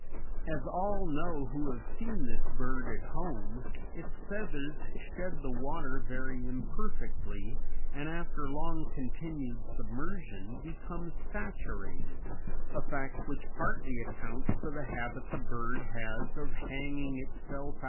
As all know who have seen this bird at home, its feathers shed the water very imperfectly, and after long continued submersion become saturated, a fact which partly accounts for the habit the bird has of hanging itself out to dry.